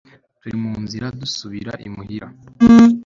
turi mu nzira dusubira imuhira